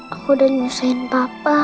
aku udah nyusahin papa